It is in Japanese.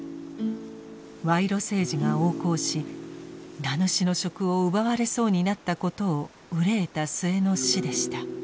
賄賂政治が横行し名主の職を奪われそうになったことを憂えた末の死でした。